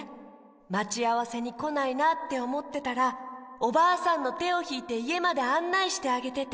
まちあわせにこないなっておもってたらおばあさんのてをひいていえまであんないしてあげてて。